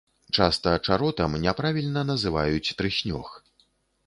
Часта чаротам няправільна называюць трыснёг.